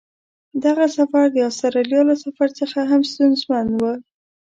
دغه سفر د استرالیا له سفر څخه هم ستونزمن و.